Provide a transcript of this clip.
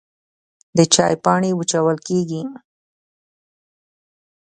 د چای پاڼې وچول کیږي